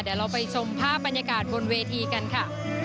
เดี๋ยวเราไปชมภาพบรรยากาศบนเวทีกันค่ะ